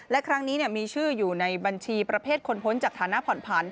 และครั้งนี้มีชื่ออยู่ในบัญชีประเภทคนพ้นจากฐานะผ่อนผัน